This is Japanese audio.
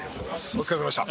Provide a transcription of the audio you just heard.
お疲れ様でした。